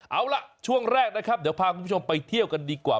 เอาล่ะช่วงแรกนะครับเดี๋ยวพาคุณผู้ชมไปเที่ยวกันดีกว่า